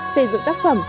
xây dựng tác phẩm